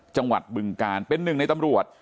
จังหวัดบึงกานเป็นหนึ่งในตำรวจ